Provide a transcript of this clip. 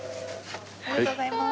ありがとうございます。